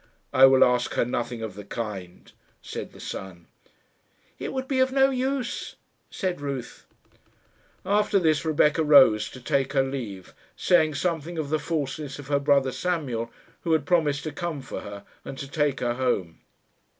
"I will ask her nothing of the kind," said the son. "It would be of no use," said Ruth. After this Rebecca rose to take her leave, saying something of the falseness of her brother Samuel, who had promised to come for her and to take her home.